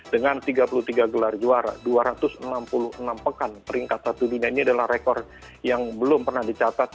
dengan tiga puluh tiga gelar juara dua ratus enam puluh enam pekan peringkat satu dunia ini adalah rekor yang belum pernah dicatat